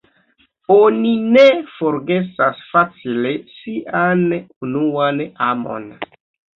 Oni ne forgesas facile sian unuan amon.